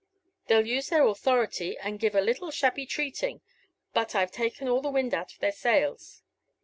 They'll use their authority, and give a little shabby treating, but I've taken all the wind out of their sails.